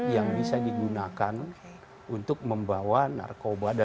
yang bisa digunakan untuk membawa narkoba